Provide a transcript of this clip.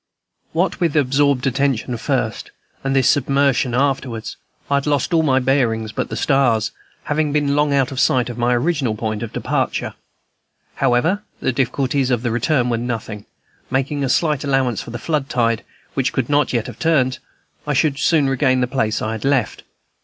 What with absorbed attention first, and this submersion afterwards, I had lost all my bearings but the stars, having been long out of sight of my original point of departure. However, the difficulties of the return were nothing; making a slight allowance for the floodtide, which could not yet have turned, I should soon regain the place I had left.